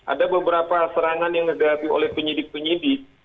ada beberapa serangan yang dihadapi oleh penyidik penyidik